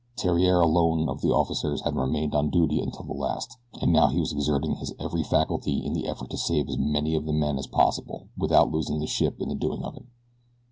Theriere alone of the officers had remained on duty until the last, and now he was exerting his every faculty in the effort to save as many of the men as possible without losing the ship in the doing of it.